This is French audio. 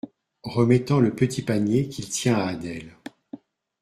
Remettant le petit panier qu’il tient à Adèle.